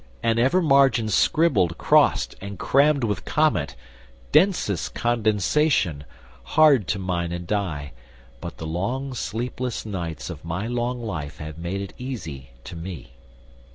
And ever margin scribbled, crost, and crammed With comment, densest condensation, hard To mind and eye; but the long sleepless nights Of my long life have made it easy to me.